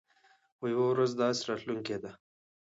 خو يوه ورځ داسې راتلونکې ده.